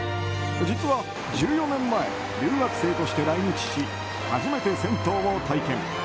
実は、１４年前留学生として来日し初めて銭湯を体験。